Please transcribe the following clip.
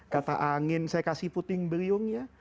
kata angin saya kasih puting beliung ya